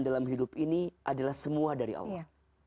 dalam hidup ini adalah semua dari allah